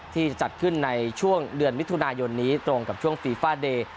ที่จะจัดขึ้นในช่วงเดือนมิถุนายนนี้ตรงกับช่วงฟีฟาเดย์